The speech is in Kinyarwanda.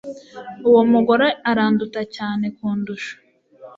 Uwo mugore aranduta cyane kundusha